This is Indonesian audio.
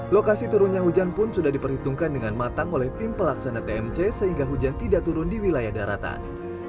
lokasi turunnya hujan pun sudah diperhitungkan dengan matang oleh tim pelaksana tmc sehingga hujan tidak turun di wilayah daratan